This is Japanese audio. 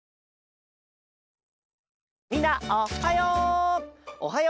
みんなおっはよ！